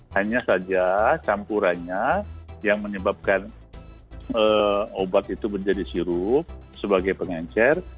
hanya saja campurannya yang menyebabkan obat itu menjadi sirup sebagai pengencar